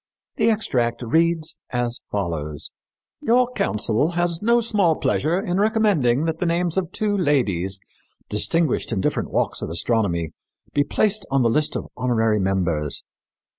The extract reads as follows: "Your council has no small pleasure in recommending that the names of two ladies distinguished in different walks of astronomy be placed on the list of honorary members.